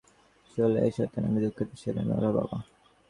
চলে আয়, শয়তান আমি দুঃখিত, ছেলে - নোরাহ - বাবা!